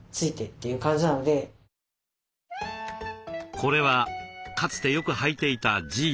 これはかつてよくはいていたジーンズ。